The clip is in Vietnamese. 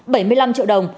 bảy mươi năm triệu đồng